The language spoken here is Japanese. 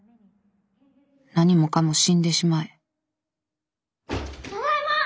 何もかも死んでしまえ・ただいま！